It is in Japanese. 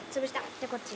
じゃあこっち。